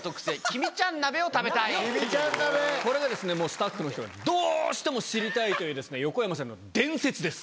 もうスタッフの人がどうしても知りたいというですね横山さんの伝説です。